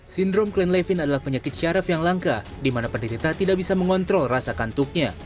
sindrom klein levin adalah penyakit syaraf yang langka di mana penderita tidak bisa mengontrol rasa kantuknya